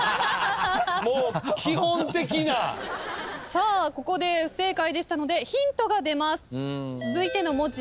さあここで不正解でしたのでヒントが出ます。